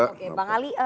oke bang ali